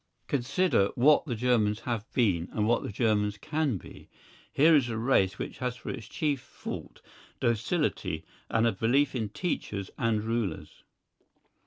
Consider what the Germans have been, and what the Germans can be. Here is a race which has for its chief fault docility and a belief in teachers and rulers.